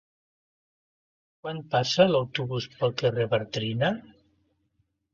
Quan passa l'autobús pel carrer Bartrina?